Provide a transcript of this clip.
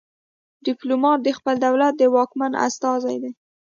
ډیپلومات د خپل دولت د واکمن استازی دی